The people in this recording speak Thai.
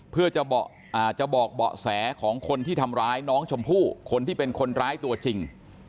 เพื่อจะบอกเบาะแสของคนที่ทำร้ายน้องชมพู่คนที่เป็นคนร้ายตัวจริง